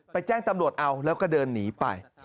แจ้งตำรวจเอาแล้วก็เดินหนีไป